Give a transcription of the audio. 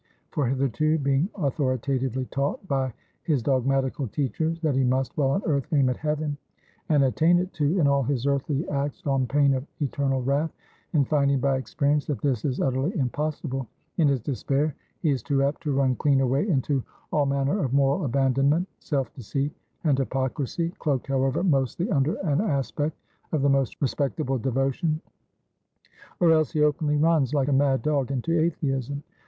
For, hitherto, being authoritatively taught by his dogmatical teachers that he must, while on earth, aim at heaven, and attain it, too, in all his earthly acts, on pain of eternal wrath; and finding by experience that this is utterly impossible; in his despair, he is too apt to run clean away into all manner of moral abandonment, self deceit, and hypocrisy (cloaked, however, mostly under an aspect of the most respectable devotion); or else he openly runs, like a mad dog, into atheism.